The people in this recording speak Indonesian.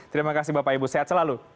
terima kasih bapak ibu sehat selalu